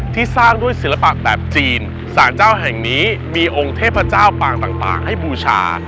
ที่สร้างด้วยศิลปะแบบจีนสารเจ้าแห่งนี้มีองค์เทพเจ้าปางต่างให้บูชา